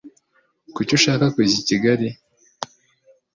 Kuki ushaka kujya i kigali?